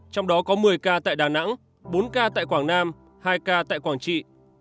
trong đó có một mươi ca tại đà nẵng bốn ca tại quảng nam hai ca tại quảng trị